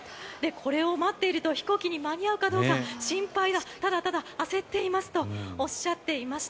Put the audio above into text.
これを待っていると飛行機に間に合うかどうか心配だ、ただただ焦っていますとおっしゃっていました。